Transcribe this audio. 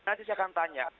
nanti saya akan tanya